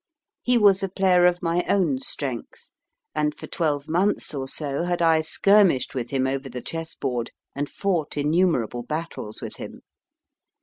He was a player of my own strength, and for twelve months or so had I skirmished with him over the chessboard, and fought innumerable battles with him.